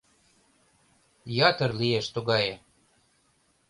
Ятыр лиеш тугае: